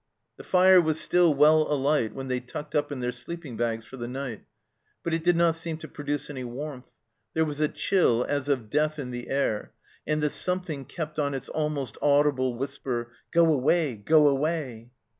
The fire was still well alight when they tucked up in their sleeping bags for the night, but it did not seem to produce any warmth. There was a chill as of death in the air, and the " something" kept on its almost audible whisper, " Go away, go away."